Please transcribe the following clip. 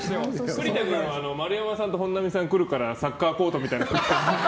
栗田君は丸山さんと本並さんが来るからサッカーコートみたいな服着てきたの？